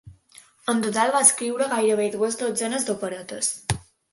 En total va escriure gairebé dues dotzenes d'operetes.